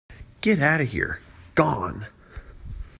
Get outta here - gone!